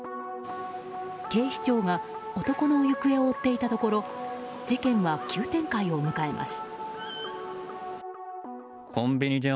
警視庁が男の行方を追っていたところ事件は急展開を迎えます。